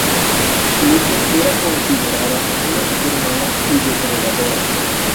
Lupe era considerada una mujer mala y depredadora.